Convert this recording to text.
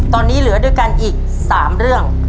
ตอนนี้เหลือด้วยกันอีก๓เรื่อง